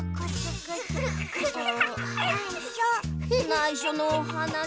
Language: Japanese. ないしょのおはなし。